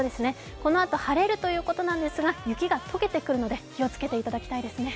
このあと晴れるということですが、雪が解けてくるので気をつけていただきたいですね。